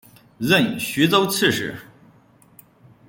任徐州刺史。